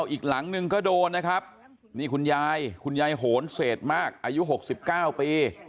อีกหลังนึงก็โดนนะครับคุณยายหนเศษมากอายุ๖๙ปี